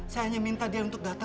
saya hanya minta dia untuk data